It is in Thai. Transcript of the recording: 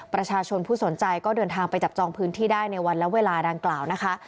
ประชาชนผู้สนใจก็เดินทางไปจับจองพื้นที่ได้ในวันและเวลาดังกล่าวนะคะ